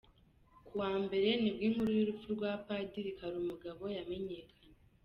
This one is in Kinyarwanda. Ku wa Mbere nibwo inkuru y’urupfu rwa Padiri Karumugabo yamenyekanye.